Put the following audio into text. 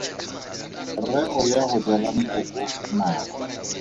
Rre o ya go jela nkoko nala.